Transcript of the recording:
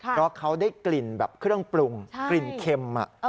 เพราะเขาได้กลิ่นแบบเครื่องปรุงกลิ่นเค็ม